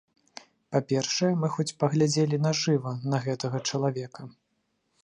Па-першае, мы хоць паглядзелі на жыва на гэтага чалавека.